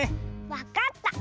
わかった！